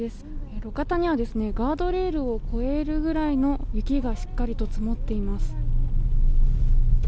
路肩にはガードレールを越えるくらいの雪がしっかりと積もっています。